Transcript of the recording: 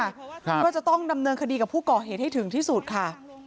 ครับก็จะต้องดำเนินคดีกับผู้ก่อเหตุให้ถึงที่สุดค่ะ